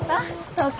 東京。